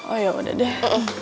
oh ya udah deh